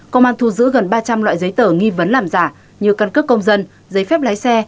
công an thu giữ gần ba trăm linh loại giấy tờ nghi vấn làm giả như căn cước công dân giấy phép lái xe